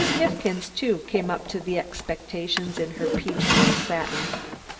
Neifkins, too, came up to expectations in her peach blow satin.